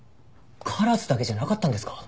カラスだけじゃなかったんですか？